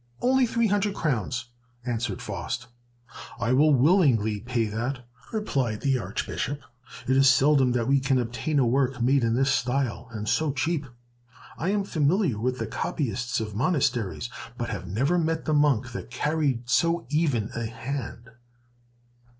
"Only three hundred crowns!" answered Faust. "I will willingly pay that," replied the Archbishop. "It is seldom that we can obtain a work made in this style, and so cheap. I am familiar with the copyists of monasteries, but have never met the monk that carried so even a hand!"